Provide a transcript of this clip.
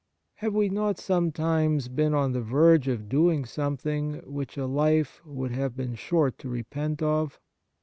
Have we not sometimes been on the verge of doing some thing which a life would have been short to repent of?